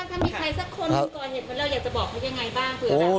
มีใครสักคนอ่ะคุณก่อนเฮ็ด